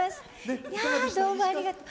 どうもありがとう。